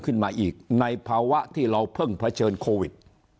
ขึ้นมาอีกในภาวะที่เราเพิ่งเผชิญโควิด